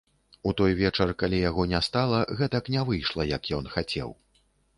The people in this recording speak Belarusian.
У той вечар, калі яго не стала, гэтак не выйшла, як ён хацеў.